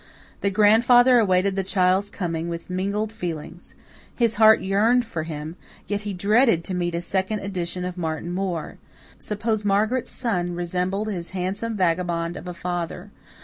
The grandfather awaited the child's coming with mingled feelings. His heart yearned for him, yet he dreaded to meet a second edition of Martin Moore. Suppose Margaret's son resembled his handsome vagabond of a father!